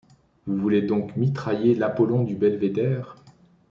Vous voulez donc mitrailler l’Apollon du Belvédère?